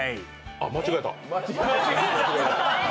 あ、間違えた。